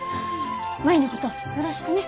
舞のことよろしくね。